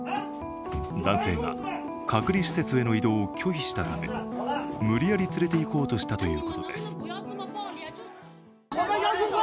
男性が隔離施設への移動を拒否したため、無理やり連れていこうとしたということです。